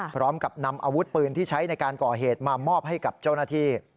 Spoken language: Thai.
พร้อมกับนำอาวุธปืนที่ใช้ในการก่อเหตุมามอบให้กับเจ้าหน้าที่